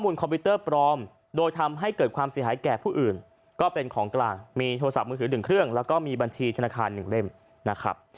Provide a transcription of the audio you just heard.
แล้วก็มีบัญชีธนาคารหนึ่งเล่มนะครับ